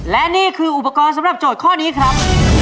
และนี่คืออุปกรณ์สำหรับโจทย์ข้อนี้ครับ